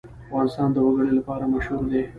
افغانستان د وګړي لپاره مشهور دی.